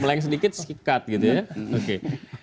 meleng sedikit sikat gitu ya oke